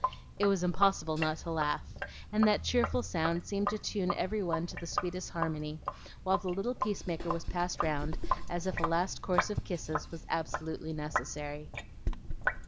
It was impossible not to laugh, and that cheerful sound seemed to tune every one to the sweetest harmony, while the little peacemaker was passed round as if a last course of kisses was absolutely necessary.